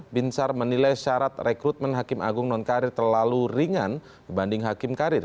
binsar menilai syarat rekrutmen hakim agung nonkarir terlalu ringan dibanding hakim karir